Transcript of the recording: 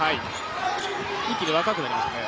一気に若くなりましたね。